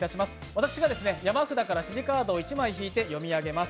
私が山札から指示カードを１枚引いて読み上げます。